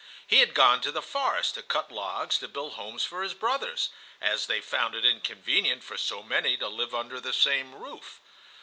He had gone to the forest to cut logs to build homes for his brothers, as they found it inconvenient for so many to live under the same roof.